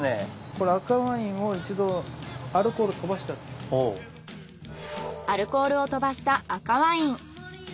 この赤ワインを一度アルコール飛ばしてあるんです。